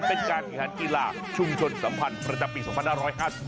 เป็นการแข่งขันกีฬาชุมชนสัมพันธ์ประจำปี๒๕๕๙